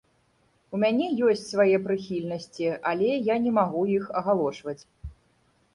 У мяне ёсць свае прыхільнасці, але я не магу іх агалошваць.